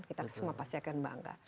kita semua pasti akan bangga